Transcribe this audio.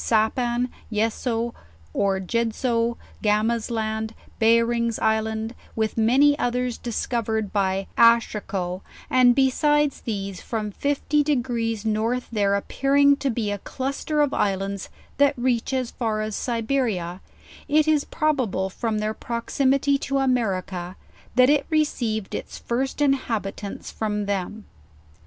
Sapan, Yesso, or Jedso, Gama's Land, Behring's Isle, with many others discovered by Aschirikow, and be sides these, from 51) degrees north there appearing to be a cluster of Islands that reach is far as Siberia, it is brobable from their proximity to America, that it received its first in habitants from them.